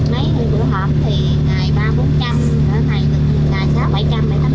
mấy vụ họp thì ngày ba bốn trăm